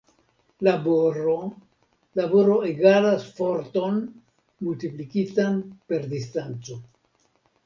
Laboro: Laboro egalas forton multiplikitan per distanco.